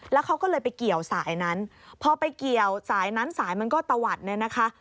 แล้วเขาก็เลยไปเกี่ยวสายนั้นพอไปเกี่ยวสายนั้นสายมันก็ตะวัดเนี่ยนะคะ